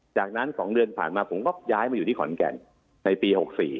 จากนั้น๒เดือนผ่านมาผมก็ย้ายมาอยู่ที่ขอนแก่นในปี๖๔